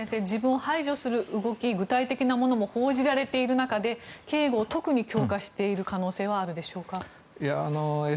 自分を排除する動き具体的なものも報じられている中で警護を特に強化している可能性はあるでしょうか。